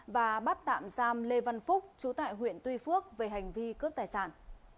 và bắt tạm giam lê văn phúc chú tại huyện tuy phước về hành vi cướp tài sản